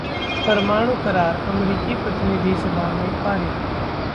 परमाणु करार अमेरिकी प्रतिनिधि सभा में पारित